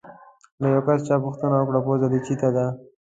له یو کس چا پوښتنه وکړه: پوزه دې چیتې ده؟